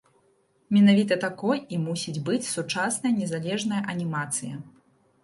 Менавіта такой і мусіць быць сучасная незалежная анімацыя.